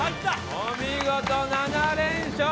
お見事７連勝！